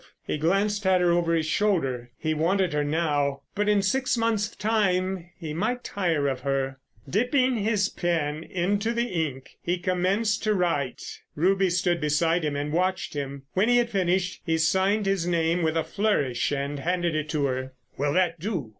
He glanced at her over his shoulder. He wanted her now—but in six months' time he might tire of her. Dipping his pen into the ink, he commenced to write. Ruby stood beside him and watched him. When he had finished he signed his name with a flourish and handed it to her. "Will that do?"